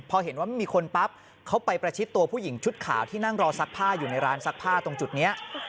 พอเห็นว่ามีคนปั๊บเขาไปประชิดตัวผู้หญิงชุดขาวที่นั่งรอซักผ้าอยู่ในร้านซักผ้าตรงจุดนี้